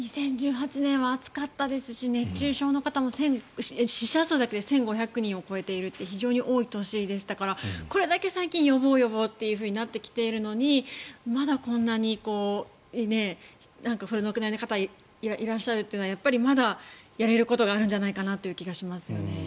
２０１８年は暑かったですし熱中症の方も死者数だけで１５００人を超えているっていう非常に多い年でしたからこれだけ最近、予防、予防ってなってきているのにまだこんなにお亡くなりになる方がいらっしゃるというのはやっぱりまだやれることがあるんじゃないかなという気がしますよね。